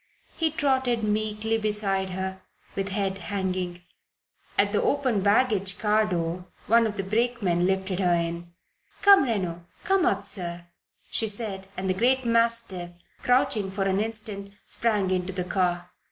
He trotted meekly beside her with head hanging. At the open baggage car door one of the brakemen lifted her in. "Come, Reno! Come up, sir!" she said, and the great mastiff, crouching for an instant, sprang into the car.